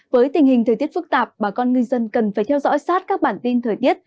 với tình hình thời tiết phức tạp bà con ngư dân cần phải theo dõi sát các bản tin thời tiết